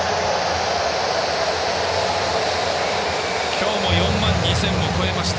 今日も４万２０００を超えました。